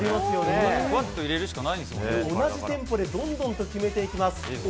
ふわっと入れるしかないんで同じテンポでどんどんと決めていきます。